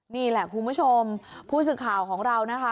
นี่แหละคุณผู้ชมผู้สื่อข่าวของเรานะคะ